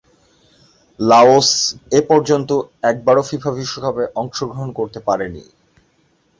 Laos এপর্যন্ত একবারও FIFA বিশ্বকাপে অংশগ্রহণ করতে পারেনি।